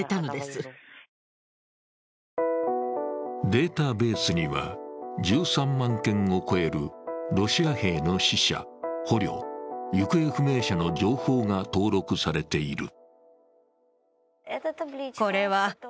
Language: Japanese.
データベースには１３万件を超えるロシア兵の死者、捕虜、行方不明者の情報が登録されている。